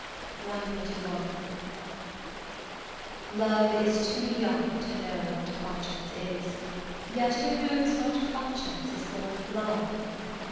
CLI Love is too young to know what conscience is, Yet who knows not conscience is born of love?